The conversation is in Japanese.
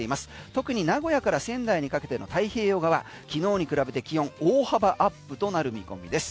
特に名古屋から仙台にかけての太平洋側、昨日に比べて気温大幅アップとなる見込みです。